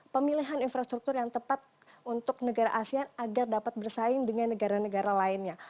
pemilihan infrastruktur yang tepat untuk negara asean agar dapat bersaing dengan negara negara lainnya